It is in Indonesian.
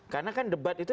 karena kan debat itu